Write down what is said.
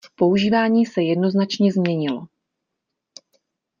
Používání se jednoznačně změnilo.